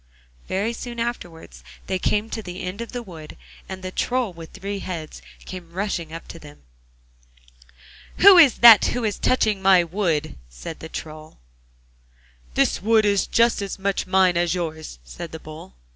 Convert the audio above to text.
Very soon afterwards they came to the end of the wood, and the Troll with three heads came rushing up to them. 'Who is that who is touching my wood?' said the Troll. 'The wood is just as much mine as yours!' said the Bull.